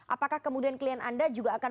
apakah kemudian klien anda juga akan